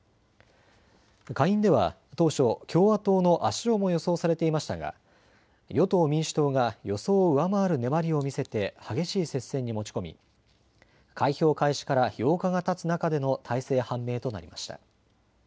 下院では当初、共和党の圧勝も予想されていましたが与党・民主党が予想を上回る粘りを見せて激しい接戦に持ち込み開票開始から８日がたつ中での大勢判明となりました。